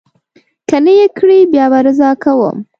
که نه یې کړي، بیا به رضا کوم.